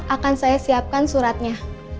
akan saya siapkan suratnya